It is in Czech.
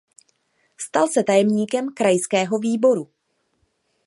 Stal se tajemníkem krajského výboru.